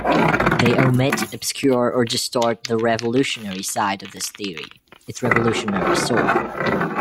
They omit, obscure, or distort the revolutionary side of this theory, its revolutionary soul.